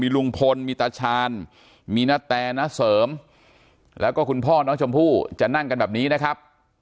ลุงพลมีตาชาญมีนาแตน้าเสริมแล้วก็คุณพ่อน้องชมพู่จะนั่งกันแบบนี้นะครับ